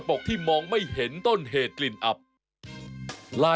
พี่หนูหิวเหรอคะ